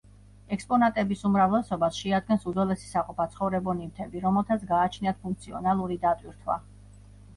ექსპონატების უმრავლესობას შეადგენს უძველესი საყოფაცხოვრებო ნივთები, რომელთაც გააჩნიათ ფუნქციონალური დატვირთვა.